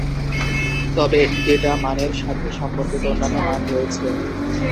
তবে, ডেটা মানের সাথে সম্পর্কিত অন্যান্য মান রয়েছে।